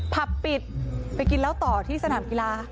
ผับปิดไปกินเหล้าต่อที่สนามกีฬา